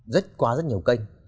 rất quá rất nhiều kênh